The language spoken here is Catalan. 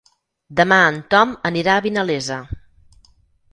Demà en Tom anirà a Vinalesa.